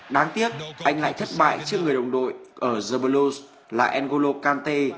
đáng tiếc anh lại thất bại trước người đồng đội ở the blues là n golo kante